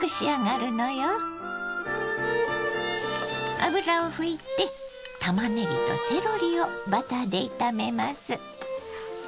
油を拭いてたまねぎとセロリをバターで炒めます。